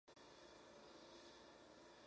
Holmes nació en Ottawa, Ontario.